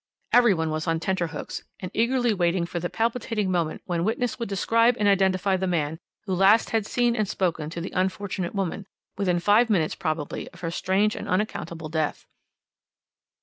"Every one was on tenter hooks, and eagerly waiting for the palpitating moment when witness would describe and identify the man who last had seen and spoken to the unfortunate woman, within five minutes probably of her strange and unaccountable death.